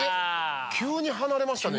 急に離れましたね。